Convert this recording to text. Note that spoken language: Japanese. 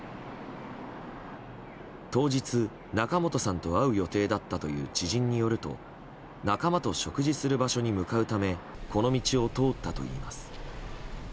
当日、仲本さんと会う予定だったという知人によると仲間と食事をする場所に向かうためこの道を通ったといいます。